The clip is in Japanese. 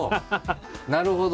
なるほど！